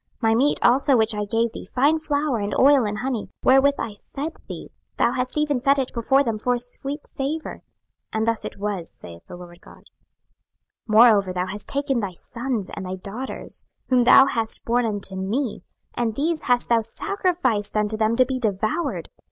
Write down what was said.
26:016:019 My meat also which I gave thee, fine flour, and oil, and honey, wherewith I fed thee, thou hast even set it before them for a sweet savour: and thus it was, saith the Lord GOD. 26:016:020 Moreover thou hast taken thy sons and thy daughters, whom thou hast borne unto me, and these hast thou sacrificed unto them to be devoured.